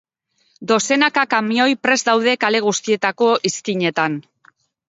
Dozenaka kamioi prest daude kale guztietako izkinetan.